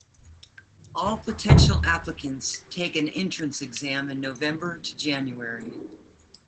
All potential applicants take an entrance exam in November to January.